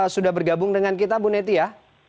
sudah bergabung dengan kita bu neti ya